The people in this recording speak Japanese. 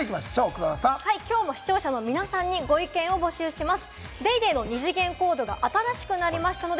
きょうも視聴者の皆さんからご意見を募集します。